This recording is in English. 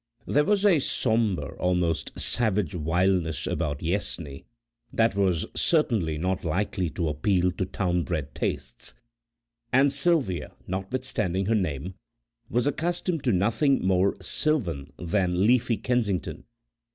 There was a sombre almost savage wildness about Yessney that was certainly not likely to appeal to town bred tastes, and Sylvia, notwithstanding her name, was accustomed to nothing much more sylvan than "leafy Kensington."